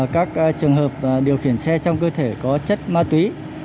các trường hợp điều khiển xe trong cơ thể có chất ma túy